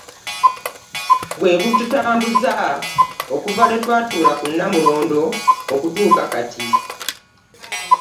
Bwe bututambuza okuva lwe twatuula ku Nnamulondo okutuuka Kati